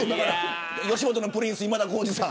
吉本のプリンス今田耕司さん。